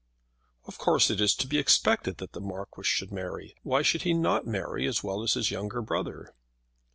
"Of course it was to be expected that the Marquis should marry. Why should he not marry as well as his younger brother?"